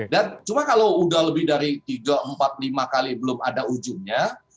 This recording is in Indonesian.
dan cuma kalau udah lebih dari tiga empat lima kali belum ada ujungnya